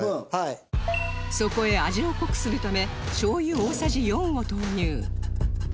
そこへ味を濃くするため醤油大さじ４を投入